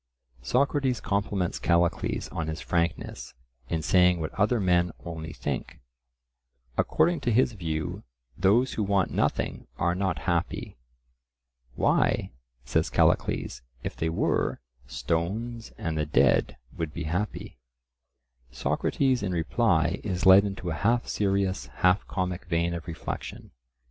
Socrates compliments Callicles on his frankness in saying what other men only think. According to his view, those who want nothing are not happy. "Why," says Callicles, "if they were, stones and the dead would be happy." Socrates in reply is led into a half serious, half comic vein of reflection.